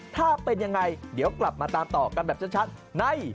ถ้าเป็นยังไงเดี๋ยวกลับมาตามต่อกันแบบชัดใน